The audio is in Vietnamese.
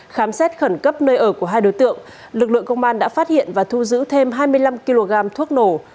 khám xét khẩn cấp nơi ở của hai đối tượng lực lượng công an đã phát hiện và thu giữ thêm hai mươi năm kg thuốc nổ